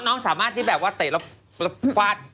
น้องสามารถที่แบบว่าเตะแล้วฟาด